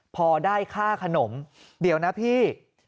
พอได้ค่าขนมเดี๋ยวนะพี่